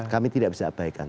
kami tidak bisa abaikan